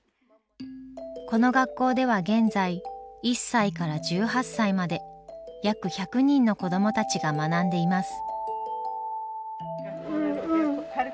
この学校では現在１歳から１８歳まで約１００人の子どもたちが学んでいます。